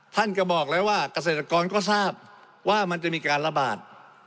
ท่านก็บอกแล้วว่าเกษตรกรก็ทราบว่ามันจะมีการระบาด